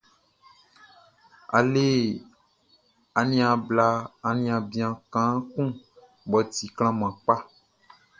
A le aniaan bian kaan kun mʼɔ ti klanman kpaʼn.